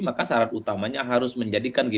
maka syarat utamanya harus menjadi kepentingan